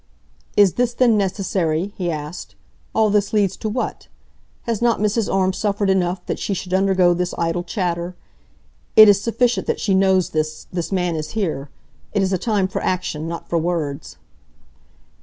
"Is this then necessary?" he asked. "All this leads to what? Has not Mrs. Orme suffered enough, that she should undergo this idle chatter? It is sufficient that she knows this this man is here. It is a time for action, not for words."